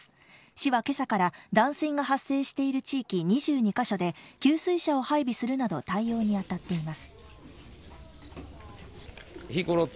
市は今朝から断水が発生している地域２２か所で給水車を配備するなど対応に当たっています。